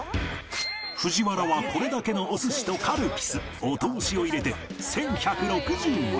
藤原はこれだけのお寿司とカルピスお通しを入れて１１６０円。